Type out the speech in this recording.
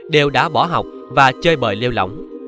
đều đã bỏ học và chơi bời liêu lỏng